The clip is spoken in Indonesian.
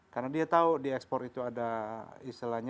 karena dia tahu di ekspor itu ada istilahnya